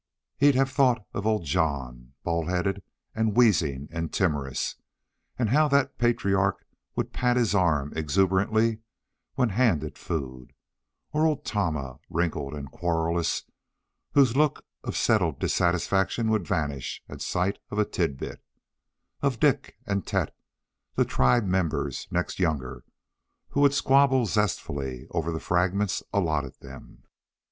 He'd have thought of old Jon, bald headed and wheezing and timorous, and how that patriarch would pat his arm exuberantly when handed food; or old Tama, wrinkled and querulous, whose look of settled dissatisfaction would vanish at sight of a tidbit; of Dik and Tet, the tribe members next younger, who would squabble zestfully over the fragments allotted them.